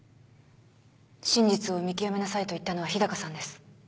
真実を見極めなさいと言ったのは日高さんです。